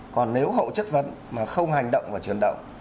còn nếu hậu chất vấn mà không hành động và chuyển động